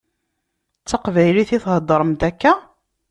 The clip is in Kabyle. D taqbaylit i theddṛemt akka?